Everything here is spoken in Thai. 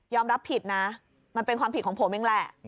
รับผิดนะมันเป็นความผิดของผมเองแหละ